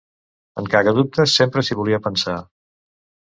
En Cagadubtes sempre s'hi volia pensar.